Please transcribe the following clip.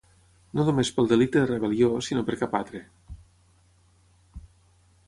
No només pel delicte de rebel·lió, sinó per cap altre.